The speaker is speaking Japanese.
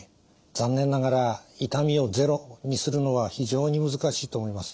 残念ながら痛みをゼロにするのは非常に難しいと思います。